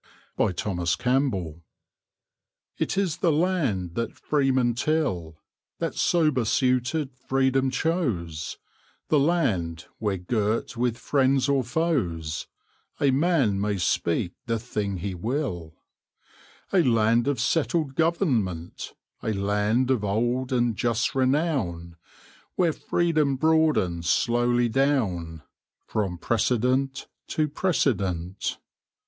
Thomas Campbell It is the land that freemen till; That sober suited Freedom chose, The Land, where girt with friends or foes A man may speak the thing he will; A land of settled government, A land of old and just renown, Where freedom broadens slowly down From precedent to precedent.